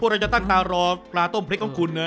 เราจะตั้งตารอปลาต้มพริกของคุณนะ